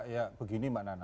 ya begini mbak nana